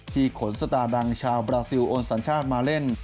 ขนสตาร์ดังชาวบราซิลโอนสัญชาติมาเล่น